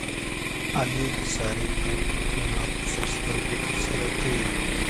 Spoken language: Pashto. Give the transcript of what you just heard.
علي د سارې ټول حکمونه په سر سترګو ترسره کوي.